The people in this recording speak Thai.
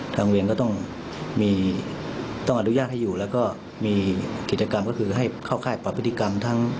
โรงเรียนก็ต้องอนุญาตให้อยู่แล้วก็มีกิจกรรมก็คือให้เข้าค่ายปรับพฤติกรรมทั้ง